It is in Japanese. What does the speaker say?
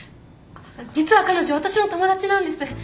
実は彼女私の友達なんです。